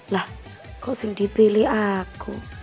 lah kok sih yang dibeli aku